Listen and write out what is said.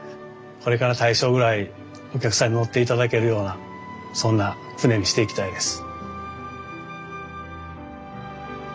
これから大将ぐらいお客さんに乗って頂けるようなそんな船にしていきたいです。